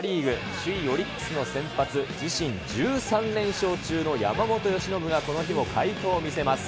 首位オリックスの先発、自身１３連勝中の山本由伸がこの日も快投を見せます。